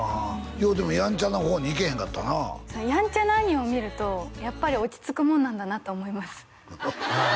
ようでもヤンチャな方に行けへんかったなヤンチャな兄を見るとやっぱり落ち着くもんなんだなと思いますああ